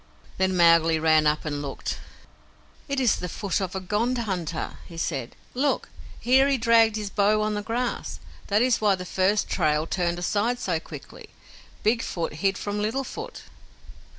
Then Mowgli ran up and looked. "It is the foot of a Gond hunter," he said. "Look! Here he dragged his bow on the grass. That is why the first trail turned aside so quickly. Big Foot hid from Little Foot."